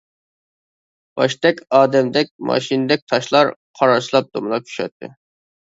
باشتەك، ئادەمدەك، ماشىنىدەك تاشلار قاراسلاپ دومىلاپ چۈشەتتى.